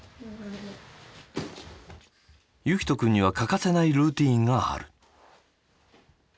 結季斗くんには欠かせないルーチンがある。